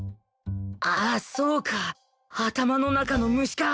ああそうか頭の中の虫か！